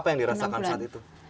apa yang dirasakan saat itu